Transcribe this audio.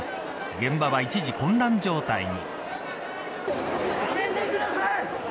現場は一時混乱状態に。